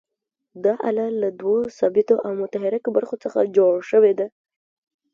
دا آله له دوو ثابتو او متحرکو برخو څخه جوړه شوې ده.